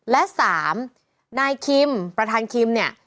และ๓นายคิมประธานคิมเนี่ย